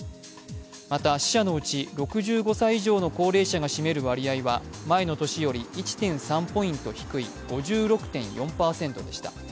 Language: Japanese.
また、死者のうち６５歳以上の高齢者が占める割合は前の年より１．３ポイント低い５６．４％でした。